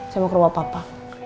saya mau ke rumah papa